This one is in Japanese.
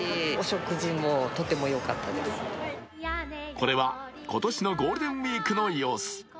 これは今年のゴールデンウイークの様子。